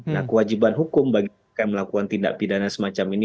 nah kewajiban hukum bagi melakukan tindak pidana semacam ini